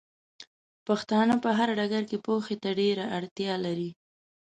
پښتانۀ په هر ډګر کې پوهې ته ډېره اړتيا لري